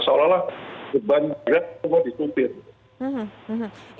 seolah olah banyak banyak semua disupir